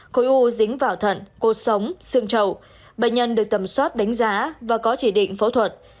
khối u dính vào thận cột sống xương trầu bệnh nhân được tầm soát đánh giá và có chỉ định phẫu thuật